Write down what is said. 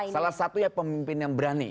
salah satu ya pemimpin yang berani